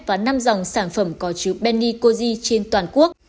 và năm dòng sản phẩm có chứa benicozi trên toàn quốc